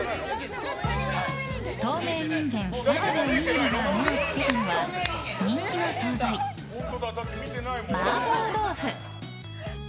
透明人間・渡部おにぎりが目を付けたのは人気の総菜、麻婆豆腐！